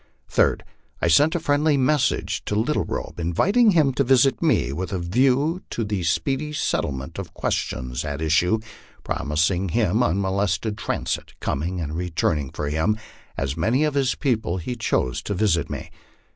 Third, I sent a friendly message to Lit tle Robe, inviting him to visit me with a view to the speedy settlement of the questions at issue, promising him unmolested transit coming and returning for him and as many of his people as chose to visit me.